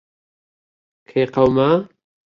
کەی قەوما؟